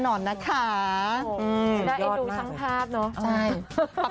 ดูช่างภาพเนาะ